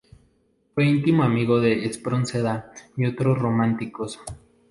Fue íntimo amigo de Espronceda y otros románticos.